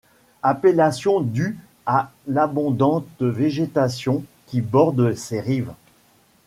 Appellation due à l'abondante végétation qui borde ses rives.